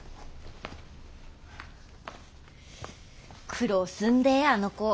苦労すんであの子。